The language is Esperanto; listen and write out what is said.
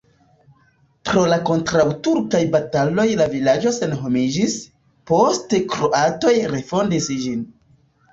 Pro la kontraŭturkaj bataloj la vilaĝo senhomiĝis, poste kroatoj refondis ĝin.